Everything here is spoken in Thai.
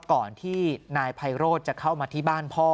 ก่อนที่นายไพโรธจะเข้ามาที่บ้านพ่อ